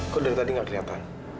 kok dari tadi nggak kelihatan